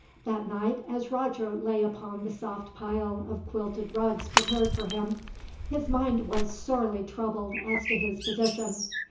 That night, as Roger lay upon the soft pile of quilted rugs prepared for him, his mind was sorely troubled as to his position.